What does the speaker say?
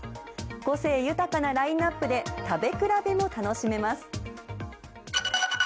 個性豊かなラインアップで食べ比べも楽しめます。